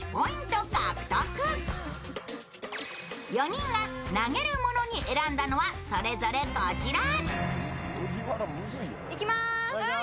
４人が投げるものに選んだのは、それぞれこちら。